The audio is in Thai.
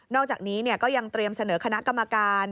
อกจากนี้ก็ยังเตรียมเสนอคณะกรรมการ